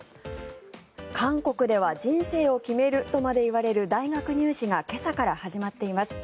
韓国では人生を決めるとまで言われる大学入試が今朝から始まっています。